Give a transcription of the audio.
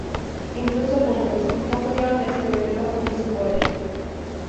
Incluso juntos, no pudieron destruirlo ni su poder.